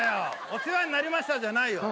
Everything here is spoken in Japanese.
「お世話になりました」じゃないよ。